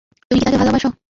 তুমি কি তাকে ভালোবাসো?